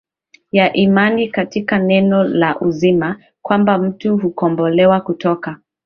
ya imani katika Neno la Uzima kwamba mtu hukombolewa kutoka